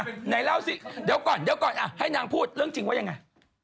อ่ะไหนเล่าสิเดี๋ยวก่อนให้นางพูดเรื่องจริงว่าอย่างไร